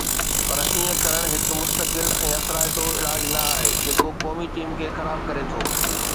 پر ائين ڪرڻ هڪ مستقل ۽ اثرائتو علاج نه آهي جيڪو قومي ٽيم کي خراب ڪري ٿو